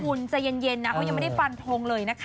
คุณใจเย็นนะเขายังไม่ได้ฟันทงเลยนะคะ